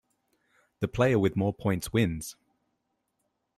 The player with more points wins.